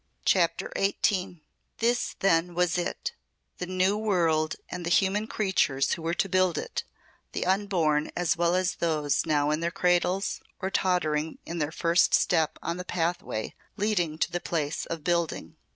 CHAPTER XVIII This then was it the New World and the human creatures who were to build it, the unborn as well as those now in their cradles or tottering in their first step on the pathway leading to the place of building.